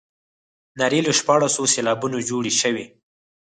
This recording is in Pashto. نارې له شپاړسو سېلابونو جوړې شوې.